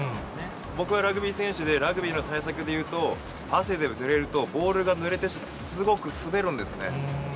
僕はラグビー選手でラグビーの対策でいうと、汗でぬれると、ボールがぬれてすごく滑るんですね。